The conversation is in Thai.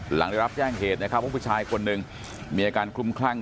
หลังได้รับแจ้งเหตุนะครับว่าผู้ชายคนหนึ่งมีอาการคลุมคลั่ง